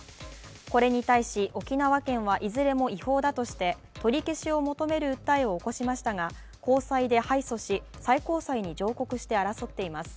これに対し、沖縄県はいずれも違法だとして取り消しを求める訴えを起こしましたが高裁で敗訴し、最高裁に上告して争っています。